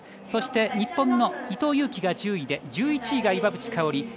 そして、日本の伊藤有希が１０位で１１位が岩渕香里。